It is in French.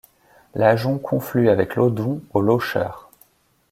L'Ajon conflue avec l'Odon au Locheur.